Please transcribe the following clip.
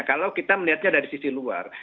kalau kita melihatnya dari sisi luar